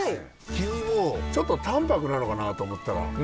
黄身もちょっと淡泊なのかなと思ったら濃厚ですし。